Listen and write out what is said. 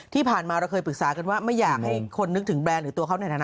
ที่ผ่านมาเราเคยปรึกษากันว่าไม่อยากให้คนนึกถึงแบรนด์หรือตัวเขาในฐานะ